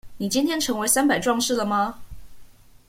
你今天成為三百壯士了嗎？